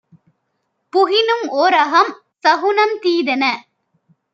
புகினும் ஓர்அகம் - சகுனம் தீதென